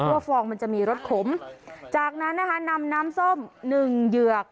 ฟองมันจะมีรสขมจากนั้นนะคะนำน้ำส้มหนึ่งเหยือก